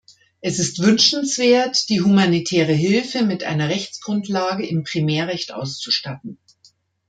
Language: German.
Es ist wünschenswert, die humanitäre Hilfe mit einer Rechtsgrundlage im Primärrecht auszustatten.